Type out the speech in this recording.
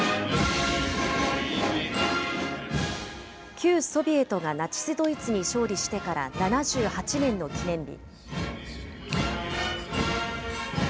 旧ソビエトがナチス・ドイツに勝利してから７８年の記念日。